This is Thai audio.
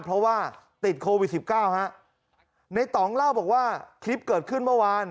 เพราะว่าติดโควิดสิบเก้าฮะในต่องเล่าบอกว่าคลิปเกิดขึ้นเมื่อวาน